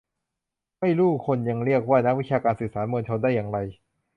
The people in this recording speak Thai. ไม่รู่คนยังเรียกว่า "นักวิชาการสื่อสารมวลชน" ได้อย่างไร